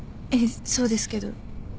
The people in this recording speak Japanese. ええそうですけど。